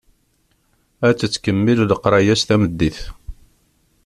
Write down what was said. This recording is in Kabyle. Ad tettkemmil leqraya-s tameddit.